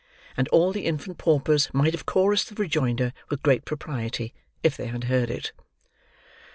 And all the infant paupers might have chorussed the rejoinder with great propriety, if they had heard it.